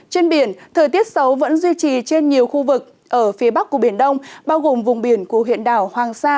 trên biển thời tiết xấu vẫn duy trì trên nhiều khu vực ở phía bắc của biển đông bao gồm vùng biển của huyện đảo hoàng sa